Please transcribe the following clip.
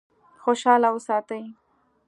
خوشاله وساتي.